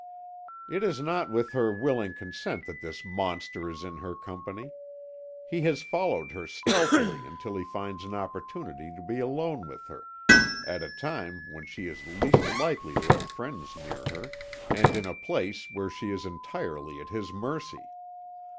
"It is not with her willing consent that this monster is in her company. He has followed her stealthily until he finds an opportunity to be alone with her, at a time when she is least likely to have friends near her; and in a place where she is entirely at his mercy.